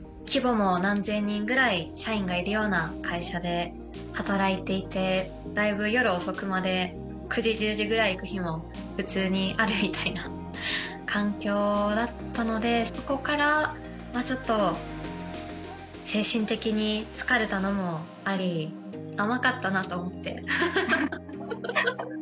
規模も何千人ぐらい社員がいるような会社で働いていてだいぶ夜遅くまで９時１０時ぐらいいく日も普通にあるみたいな環境だったのでそこからちょっと精神的に疲れたのもあり甘かったなと思ってフフフ。